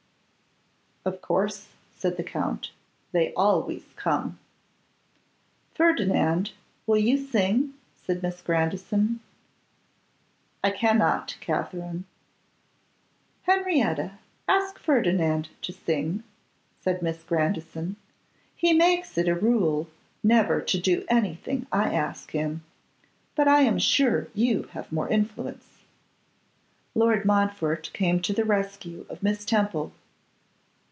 'Of course,' said the Count, 'they always come.' 'Ferdinand, will you sing?' said Miss Grandison. 'I cannot, Katherine.' 'Henrietta, ask Ferdinand to sing,' said Miss Grandison; 'he makes it a rule never to do anything I ask him, but I am sure you have more influence.' Lord Montfort came to the rescue of Miss Temple.